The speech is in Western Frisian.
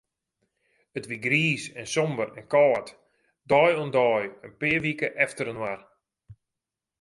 It wie griis en somber en kâld, dei oan dei, in pear wike efterinoar.